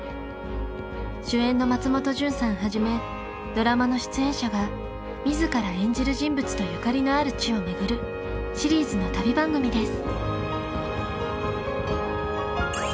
主演の松本潤さんはじめドラマの出演者が自ら演じる人物とゆかりのある地を巡るシリーズの旅番組です。